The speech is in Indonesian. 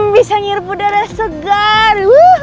bisa ngirip udara segar